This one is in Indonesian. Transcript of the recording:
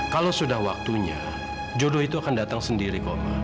kalau sudah waktunya jodoh itu akan datang sendiri kok pak